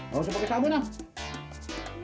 mau pakai sabun ah